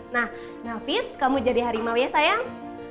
nah nafis kamu jadi harimau ya sayang